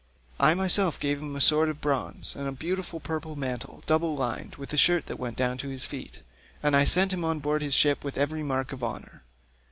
I myself gave him a sword of bronze and a beautiful purple mantle, double lined, with a shirt that went down to his feet, and I sent him on board his ship with every mark of honour.